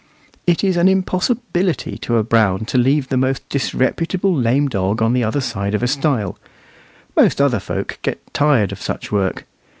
It is an impossibility to a Brown to leave the most disreputable lame dog on the other side of a stile. Most other folk get tired of such work.